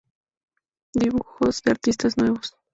Dibujos de artistas nuevos".